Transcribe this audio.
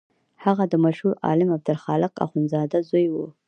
هغه د مشهور عالم عبدالخالق اخوندزاده زوی و.